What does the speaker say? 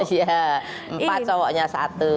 iya empat cowoknya satu